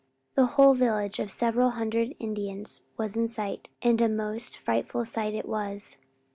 The whole village of several hundred Indians was in sight and a most frightful sight it was.